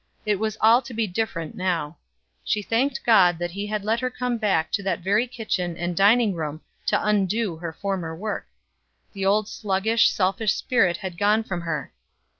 It was all to be different now. She thanked God that he had let her come back to that very kitchen and dining room to undo her former work. The old sluggish, selfish spirit had gone from her.